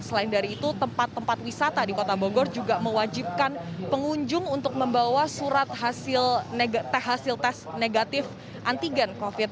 selain dari itu tempat tempat wisata di kota bogor juga mewajibkan pengunjung untuk membawa surat hasil tes negatif antigen covid sembilan